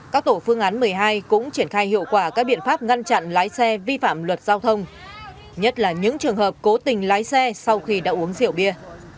các tổ phương án một mươi hai cũng triển khai hiệu quả các biện pháp ngăn chặn lái xe vi phạm luật giao thông nhất là những trường hợp cố tình lái xe sau khi đã uống rượu bia